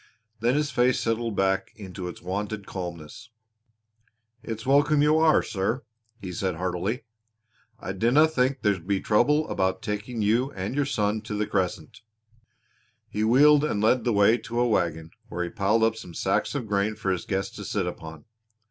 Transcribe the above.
Then his face settled back into its wonted calmness. "It's welcome you are, sir," he said heartily. "I dinna think there'll be trouble about taking you and your son to Crescent." He wheeled and led the way to a wagon, where he piled up some sacks of grain for his guests to sit upon.